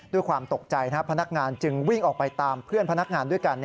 ด้วยความตกใจพนักงานจึงวิ่งออกไปตามเพื่อนพนักงานด้วยกัน